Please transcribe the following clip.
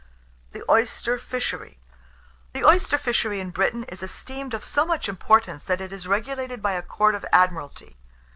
THE OYSTER FISHERY. The oyster fishery in Britain is esteemed of so much importance, that it is regulated by a Court of Admiralty.